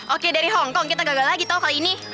oke dari hongkong kita gagal lagi tahu kali ini